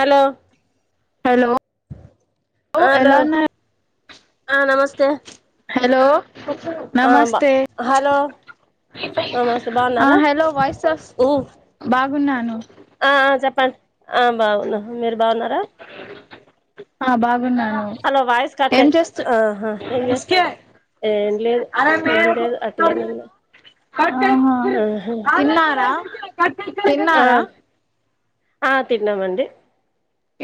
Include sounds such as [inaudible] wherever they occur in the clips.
పల hello hello ఎలా ఉన్నారు ఆ నమస్తే హలో ఆబా నమస్తే హలో మస్తే ఆ బాగున్నారా హలో వాయిస్ వస్ ఊ బాగున్నాను ఆ చెప్ప ప ఆ బాగున్నా మీరు బాగున్నారా ఆ బా అలా వయస్ కట్టా ఆ ఏం జస్త ఆహా ఏంట అట్టగానాన్నా చిన్నారా ఆ చిన్నారా ఆ తిన్నామండి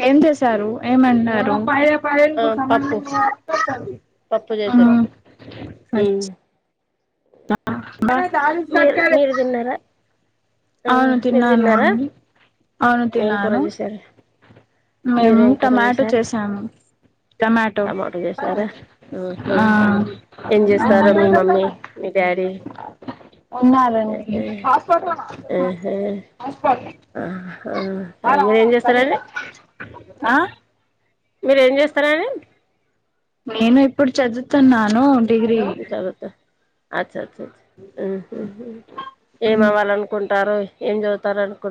ఏం చేసారు ఏమన్నారు మా ఆ పప్పు పప్పు చేసాం ఉమ్ సర మీరు మీరు తిన్నారా ఆ అవును మీరు తిన్నాను తిన్నారా అండి అవును నేను కూర తిన్నాను చేసార మేము మీరేం కూర టమాటో చేశారు చేసాము టమాటో చేసారా ఆ ఏం చేస్తారు మీ మమ్మీ మీ సరి ఉన్నాలండి ఆ ఏం చేస్తారే ఆ మీర ఏం చేస్తారని నేను ఇప్పుడు చదువుతున్నాను డిగ్రీ ఇంకాదుతే అచ్చ అచ్చచ్చ ఏమ అవ్వాలనుకుంటారు ఏం చదువుతారనుకు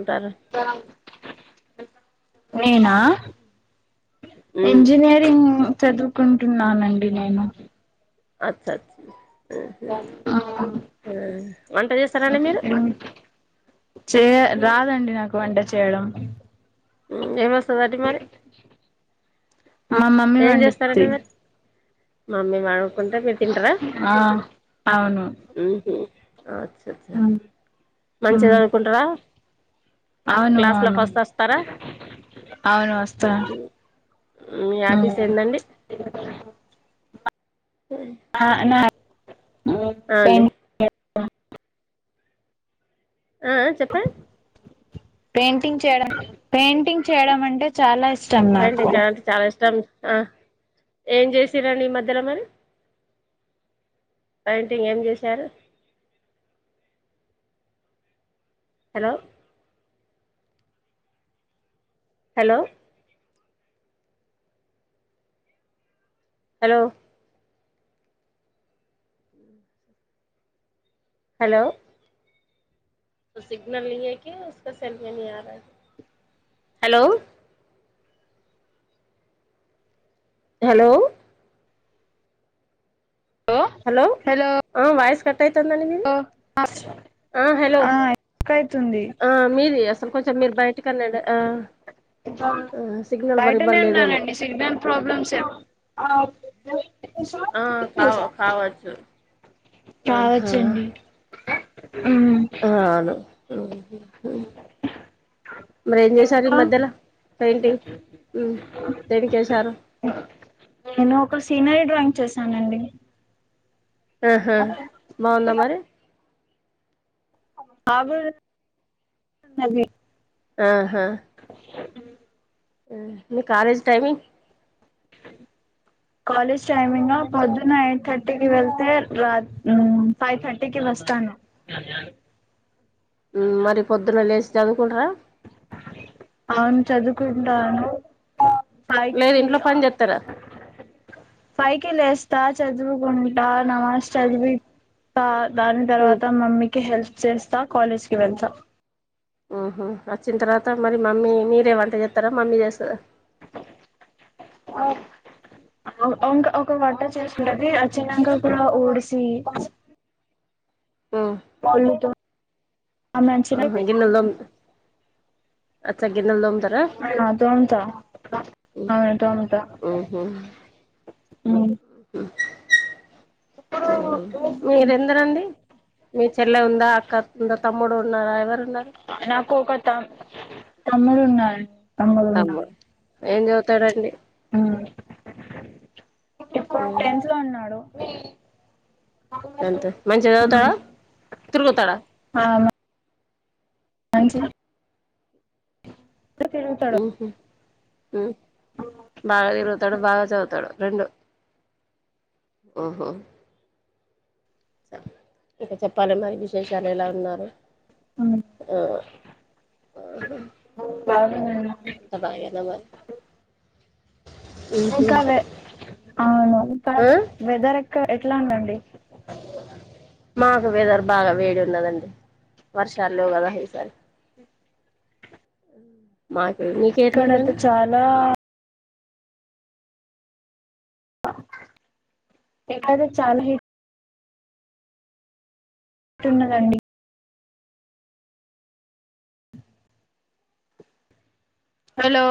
నేనా ఉమ్ ఇంజనీరింగ్ చదువుకుంటున్నానండి నేను అచ్చ వంట చేస్తారాండి మీరు చే రాదండి నాకు వంట చేయడం ఏమాసద అది మరి మా మమ్మీ ఏం వండుద్ది చేస్తారండి మరి మమ్మీ వాడు కొంట మీరు తంటరా ఆ అవును అచ్చ అచ్చా మంచిద అనుకుంటారా అవును అవును అవును వస్తా యాపీస్ ఏందండి నా ఆ ప అండి ఆ చెప్పు పెయింటింగ్ చేయడం పెయింటింగ్ చేయడం అంటే చాలా ఇష్ట కాంకాాల అంటే చాలా ఇష్టం ఆ ఏం చేసారంండి ఈ మధ్యలో మరి పెయింటింగ్ ఏం చేశారు hello hello hello hello signal లేక సెల్ మీేని ఆరా హలో హలో హలో వయిస్ ఓ ఆ హలో ఆ మీది అసలు కొంచెం మీరు బయటకి అన్నాండి ఆ ఇ ఆ సిగ్నల్ బయటనే బరిబర్ లేదేమో ఉన్నానండి సిగ్నల్ ప్రాబ్లమ్స్ ఏ ఆ కావ కాావచ్చు ఆహా కావచ్చండి మ్మ్ అ అను ఏం చేశారు ఇంకా మధలో పెయింటింగ్ దేనికేశారు నేను ఒక సీనరీ డ్రాయింగ్ చేశానండి ఆహా బాగుందా మరి [unintelligible] ఆ [inaudible] మీ కాలేజ్ టైమింగ్ కాలేజ్ టైమింగ్ ఆ పొద్దున ఎయిట్ థర్టీకి వెళ్తే రాత్ మ్ ఫైవ్ థర్టీకి వె వస్తాను మరి పొద్దున్న లేశ్ చదువుకుంటరా అవును చదువుకుంటాను లేదు పైకి ఇంట్లో పని చేస్తారా పైకిలెస్తా చదువుకుంటా నమాజ్ చదివి తా దాని మ్మ్ తర్వాత మమ్మీకి హెల్ప్ చేస్తా కాలేజ్ కి వెళ్తా ఉహు వచ్చిన తర్వాత మరి మమ్మీ మీరేవంట చెస్తారా మమ్మీ చేస్తందా ఆ ఈకా ఒక వంట చేస్తుంటది వచిన్నక కూడా ఓడిసి ఆ పల్లుతో ఆహా గిన్నలుతొమ్ అచ గిన్నెల్ తొమ్తరా ఆ తోముతా ఉహు ఉ [inaudible] మీరెందరండి మీ చెల్లె ఉందా అక్క ఉందా తమ్ముడు ఉన్నార ఎవర్ నాకు ఒక తమ్ తమ్ముడు ఉన్నాాల తమ్ముడు ఉన్నా ఏం చదువుతాడండి ఆ ఇప్పుడు మ్మ్ టెన్త్ లో ఉన్నాడు అంతే మంచిగా మ్ చదువుతాడా తిరుగుతాడా ఆ అంజి ఉహు ఉ బాగా తిరుగుతాడు బాగా చదువుతాడు రెండు ఉహూ ఇక చెప్పాలే మరి విశేషాలు ఎలా ఉన్నారు ఆ బాగుందండి అంత బాగేన మరి ఉహు ఇంకా వె అవును ఇక్కడ ఆ వె వెదర్ ఎక్క ఎట్లా ఉందండి మాకు వెదర్ బాగా వేడి ఉన్నదండి వర్షాలెవుగాద ఈ సారి మాకే మీకేట్లు ఇక్కడైతే ఉన్నది చాలా ఎక్కద చాలా హి టున్నదండి హలో